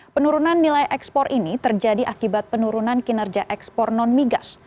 penurunan nilai ekspor ini terjadi akibat penurunan kinerja ekspor non migas